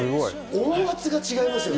音圧が違いますね。